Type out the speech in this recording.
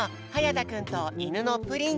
たくんといぬのプリンちゃん。